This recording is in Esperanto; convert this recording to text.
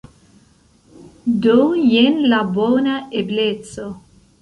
Do jen la bona ebleco!